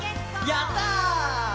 やった！